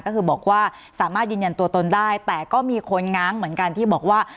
ก็คือบอกว่าสามารถยืนยันตัวตนได้แต่ก็มีคนง้างเหมือนกันที่บอกว่า